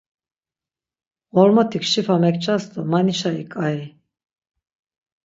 Ğormotik şifa mekças do manişa ik̆ai.